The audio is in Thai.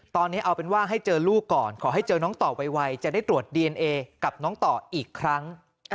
ตอนนี้เอาเป็นว่าให้เจอลูกก่อนขอให้เจอน้องต่อไวจะได้ตรวจดีเอนเอกับน้องต่ออีกครั้ง